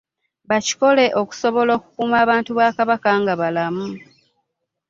Bakikole okusobola okukuuma abantu ba Kabaka nga balamu.